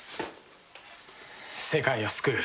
世界を救う。